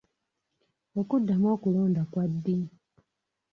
Okuddamu okulonda kwa ddi?